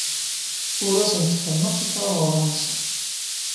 Ur asen-d-ferrneɣ tikrabaḍin-nsen.